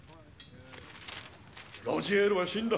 ロジエールは死んだ